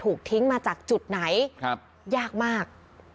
ถูกทิ้งมาจากจุดไหนยากมาก